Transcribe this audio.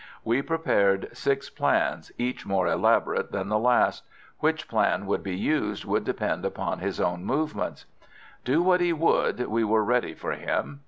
We prepared six plans, each more elaborate than the last; which plan would be used would depend upon his own movements. Do what he would, we were ready for him.